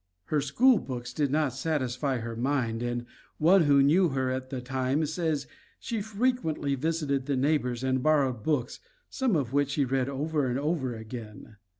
Her school books did not satisfy her mind, and one who knew her at that time says she frequently visited the neighbors and borrowed books, some of which she read over and over again.